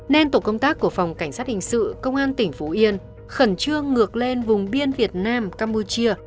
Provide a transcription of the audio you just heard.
nên tổ công tác của phòng cảnh sát hình sự công an tỉnh phú yên khẩn trương ngược lên vùng biên việt nam campuchia